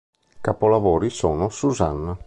Capolavori sono "Susanna!